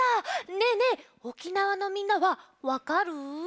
ねえねえ沖縄のみんなはわかる？